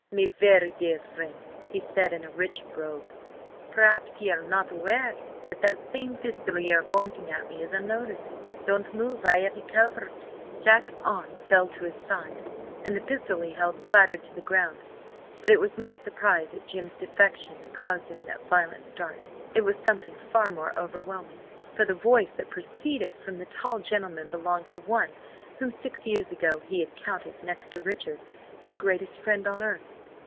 "Me very dear friend," he said in a rich brogue, "perhaps ye are not aware that that same pistol ye are pointing at me is unloaded? Don't move; I have ye covered!" Jack's arm fell to his side, and the pistol he held clattered to the ground. But it was not surprise at Jim's defection that caused him that violent start. It was something far more overwhelming. For the voice that proceeded from the tall gentleman belonged to one whom, six years ago, he had counted, next to Richard, his greatest friend on earth.